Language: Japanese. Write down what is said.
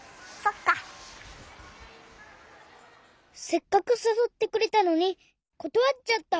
せっかくさそってくれたのにことわっちゃった。